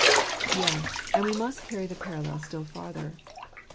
Yes, and we must carry the parallel still farther.